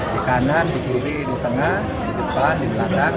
di kanan di kiri di tengah di sebelah di belakang